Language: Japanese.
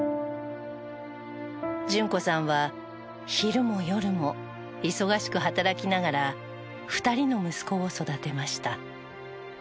淳子さんは昼も夜も忙しく働きながら２人の息子を育てました。